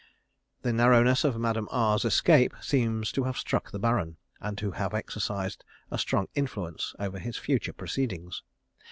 The narrowness of Madame R's escape seems to have struck the Baron, and to have exercised a strong influence over his future proceedings.